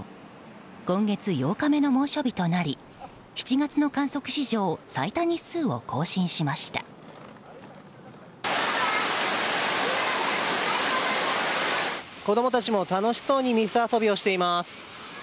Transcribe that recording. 今月８日目の猛暑日となり７月の観測史上子供たちも楽しそうに水遊びをしています。